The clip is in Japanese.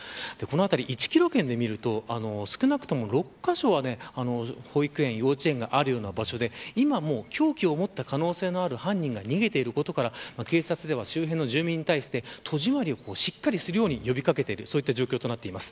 １キロ圏で見ると少なくとも６カ所は保育園、幼稚園がある場所で今も凶器を持った可能性のある犯人が逃げていることから警察では周辺の住民に戸締りをしっかりするように呼び掛けている状況です。